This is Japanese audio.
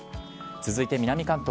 続いて南関東。